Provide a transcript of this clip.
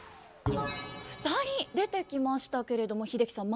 ２人出てきましたけれども英樹さん